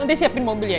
nanti siapin mobil ya